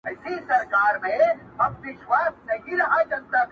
سپوږمۍ و منل جانانه چي له ما نه ښایسته یې،